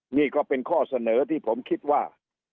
นี่ก็เป็นข้อเสนอที่ผมคิดว่า